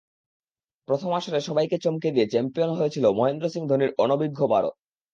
প্রথম আসরে সবাইকে চমকে দিয়ে চ্যাম্পিয়ন হয়েছিল মহেন্দ্র সিং ধোনির অনভিজ্ঞ ভারত।